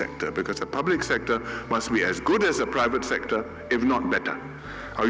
karena sektor publik harus sebaik sektor pribadi jika tidak lebih baik